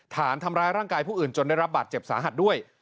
ฐานทำร้ายร่างกายผู้อื่นจนได้รับบาดเจ็บสาหัสด้วย